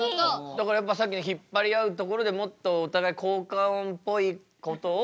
だからやっぱさっきの引っ張り合うところでもっとお互い効果音っぽいことを。